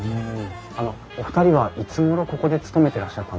あのお二人はいつごろここで勤めてらっしゃったんですか？